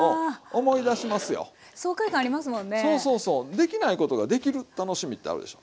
できないことができる楽しみってあるでしょ。